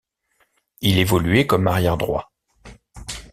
Il évoluait comme arrière droit.